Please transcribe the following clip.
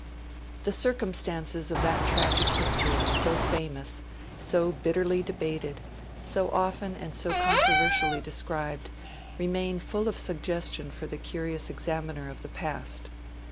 The circumstances of that tragic history, so famous, so bitterly debated, so often and so controversially described, remain full of suggestion for the curious examiner of the past.